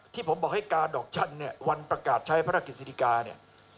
ที่ผมบอกให้กาดอกชั่นเนี่ยวันประกาศใช้พระราชกฤษฎิกาเนี่ย